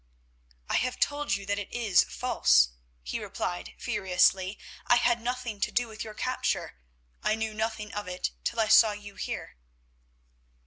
"I have told you that it is false," he replied furiously. "I had nothing to do with your capture. I knew nothing of it till I saw you here."